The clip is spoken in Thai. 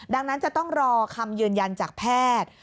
ดังนั้นจะต้องรอคำยืนยันจากแพทย์